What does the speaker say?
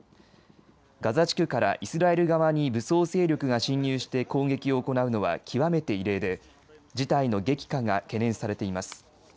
ガザ地区からイスラエル側に武装勢力が侵入して攻撃を行うのは極めて異例で事態の激化が懸念されています。